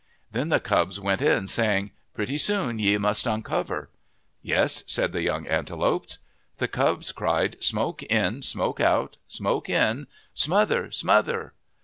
Then the cubs went in, saying, " Pretty soon ye must uncover." " Yes," said the young antelopes. The cubs cried :" Smoke in, smoke out ; smoke in, ... smother, smother